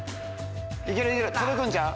いけるいける届くんちゃう？